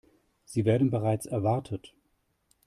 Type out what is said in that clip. Sie werden bereits erwartet.